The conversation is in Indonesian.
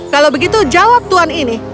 kalau begitu jawab tuan ini